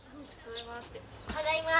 ただいま！